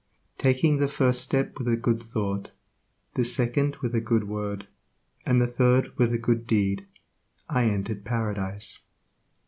"Taking the first step with a good thought, the second with a good word, and the third with a good deed, I entered Paradise."